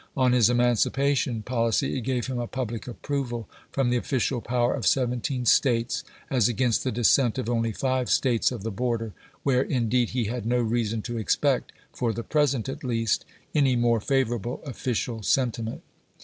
On his emancipa tion policy it gave him a public approval from the official power of seventeen States, as against the dissent of only five States of the border, where in deed he had no reason to expect, for the present at least, any more favorable official sentiment.